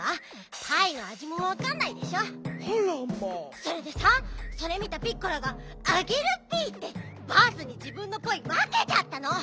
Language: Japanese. それでさそれ見たピッコラが「あげるッピ」ってバースにじぶんのパイわけちゃったの！